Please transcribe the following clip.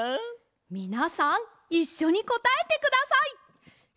みなさんいっしょにこたえてください！せの！